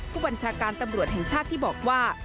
ผู้บัญชาการตำรวจแห่งชาติที่บอกว่า